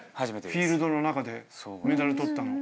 フィールドの中でメダル取ったの。